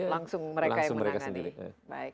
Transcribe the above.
langsung mereka yang menang